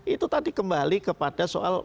itu tadi kembali kepada soal